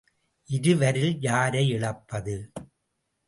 இருவரில் யாரை இழப்பது?